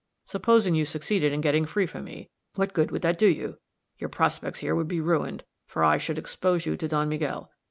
Supposing you succeeded in getting free from me what good would that do you? Your prospects here would be ruined; for I should expose you to Don Miguel.